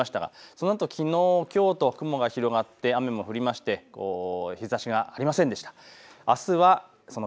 そのあと、きのう、きょうと雲が広がって雨も降って日ざしがありませんでした。